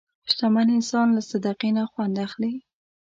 شتمن انسان له صدقې نه خوند اخلي.